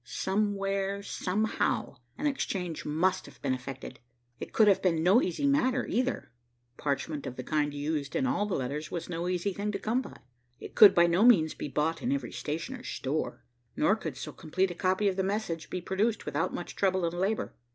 Somewhere, somehow, an exchange must have been effected. It could have been no easy matter, either. Parchment of the kind used in all the letters was no easy thing to come by. It could by no means be bought in every stationer's store, nor could so complete a copy of the message be produced without much trouble and labor.